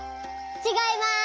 ちがいます。